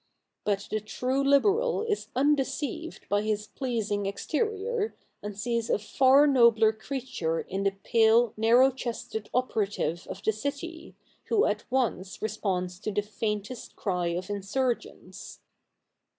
But the true Uberal is undeceived by his pleasing exterior, and sees a far nobler creature in the pale narrow chested operative of the city, who at once responds to the faintest cry of insurgence.'